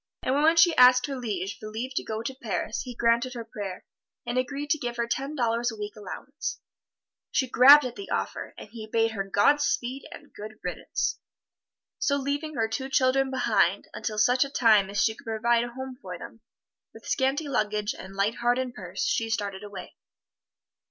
And when she asked her liege for leave to go to Paris, he granted her prayer, and agreed to give her ten dollars a week allowance. She grabbed at the offer, and he bade her Godspeed and good riddance. So leaving her two children behind, until such a time as she could provide a home for them, with scanty luggage and light heart and purse, she started away.